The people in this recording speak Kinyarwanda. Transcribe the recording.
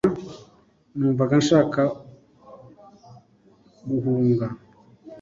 numvaga nshaka guhunga